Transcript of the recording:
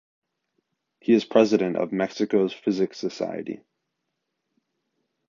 He is president of Mexico’s Physics Society.